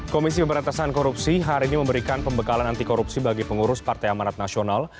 komisi pemberantasan korupsi hari ini memberikan pembekalan anti korupsi bagi pengurus partai amanat nasional